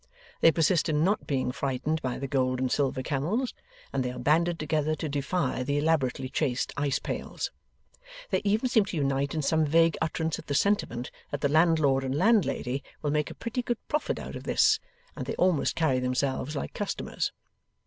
They persist in not being frightened by the gold and silver camels, and they are banded together to defy the elaborately chased ice pails. They even seem to unite in some vague utterance of the sentiment that the landlord and landlady will make a pretty good profit out of this, and they almost carry themselves like customers.